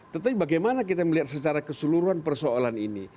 tetapi bagaimana kita melihat secara keseluruhan persoalan ini